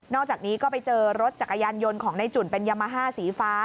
อกจากนี้ก็ไปเจอรถจักรยานยนต์ของในจุ่นเป็นยามาฮ่าสีฟ้า